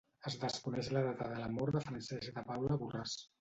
Es desconeix la data de la mort de Francesc de Paula Borràs.